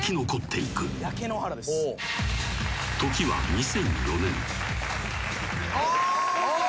［時は２００４年］